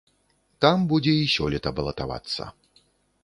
Там будзе і сёлета балатавацца.